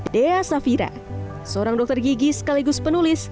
dea safira seorang dokter gigi sekaligus penulis